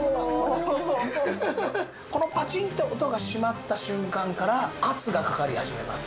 このパチンって音が閉まった瞬間から圧がかかり始めます。